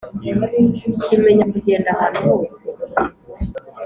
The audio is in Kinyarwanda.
imenya kugenda ahantu hose